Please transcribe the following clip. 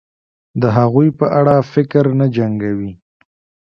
د هغوی په اړه فکر نه جنګوي